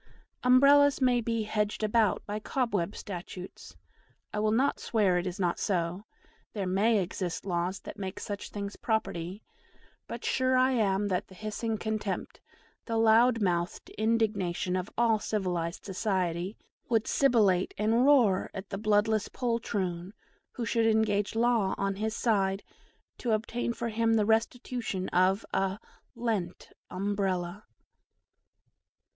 Umbrellas may be 'hedged about' by cobweb statutes; I will not swear it is not so; there may exist laws that make such things property; but sure I am that the hissing contempt, the loud mouthed indignation of all civilised society, 'would sibilate and roar at the bloodless poltroon who should engage law on his side to obtain for him the restitution of a lent Umbrella!"